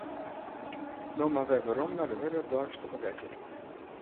No mar wer werom nei de hurde deistige werklikheid.